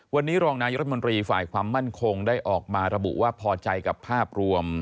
วันนี้รองนายรัฐมนตรีฝ่ายความมั่นคงได้ออกมาระบุว่าพอใจกับภาพรวม